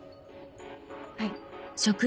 はい。